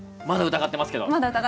まだ疑ってますけど。